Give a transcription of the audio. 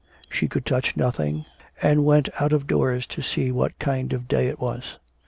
She could touch nothing, and went out of doors to see what kind of day it was.